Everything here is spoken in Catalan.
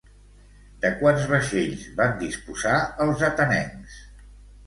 De quants vaixells van disposar els atenencs?